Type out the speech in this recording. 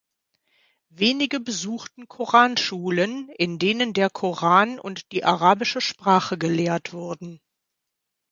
Wenige besuchten Koranschulen, in denen der Koran und die arabische Sprache gelehrt wurden.